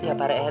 ya pak raya